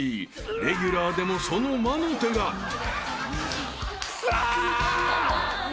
［レギュラーでもその魔の手が］くそ！